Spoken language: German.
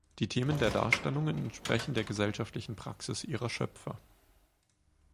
Die Themen der Darstellungen entsprechen der gesellschaftlichen Praxis ihrer Schöpfer.